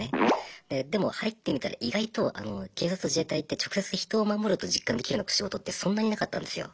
でも入ってみたら意外と警察と自衛隊って直接人を守ると実感できるような仕事ってそんなになかったんですよ。